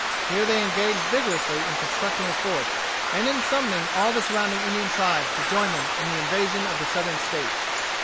Here they engaged vigorously in constructing a fort, and in summoning all the surrounding Indian tribes to join them in the invasion of the Southern States.